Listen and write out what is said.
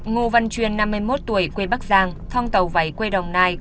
ngô văn chuyên năm mươi một tuổi quê bắc giang thong tàu váy quê đồng nam